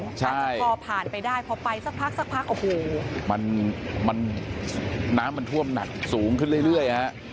อาจจะพอผ่านไปได้พอไปสักพักสักพักโอ้โหมันน้ำมันท่วมหนักสูงขึ้นเรื่อยฮะ